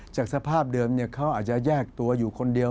จากสภาพเดิมเขาอาจจะแยกตัวอยู่คนเดียว